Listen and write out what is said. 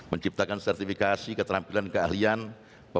menciptakan sertifikasi keterampilan keahlian pemagangan kerja untuk kemampuan